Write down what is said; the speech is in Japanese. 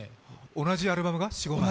同じアルバムが？